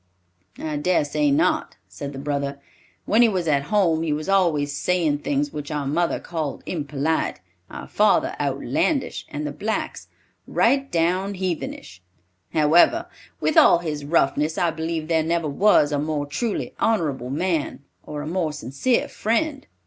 "I dare say not," said the brother. "When he was at home, he was always saying things which our mother called 'impolite,' our father 'outlandish,' and the blacks 'right down heathenish.' However, with all his roughness, I believe there never was a more truly honorable man, or a more sincere friend."